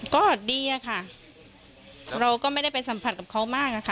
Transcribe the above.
ก็ดีอะค่ะเราก็ไม่ได้ไปสัมผัสกับเขามากอะค่ะ